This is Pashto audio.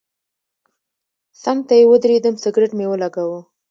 څنګ ته یې ودرېدم سګرټ مې ولګاوه.